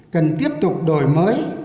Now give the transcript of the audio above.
cần tiếp tục đổi mới